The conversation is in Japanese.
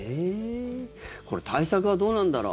これ対策はどうなんだろう？